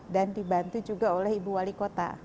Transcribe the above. dan dibantu juga oleh ibu wali kota